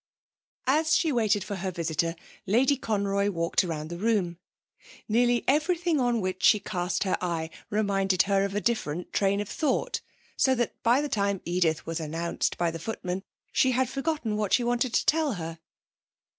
As she waited for her visitor, Lady Conroy walked round the room. Nearly everything on which she cast her eye reminded her of a different train of thought, so that by the time Edith was announced by the footman she had forgotten what she wanted to tell her.